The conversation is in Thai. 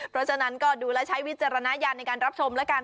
เพราะฉะนั้นก็ดูแล้วใช้วิจารณญาณในการรับชมแล้วกัน